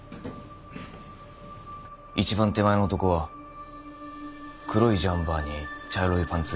一番手前の男は黒いジャンパーに茶色いパンツ。